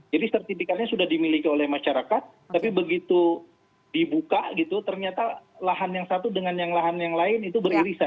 sertifikatnya sudah dimiliki oleh masyarakat tapi begitu dibuka gitu ternyata lahan yang satu dengan yang lahan yang lain itu beririsan